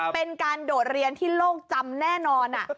เป็นการโดดเรียนที่โลกจำแน่นอน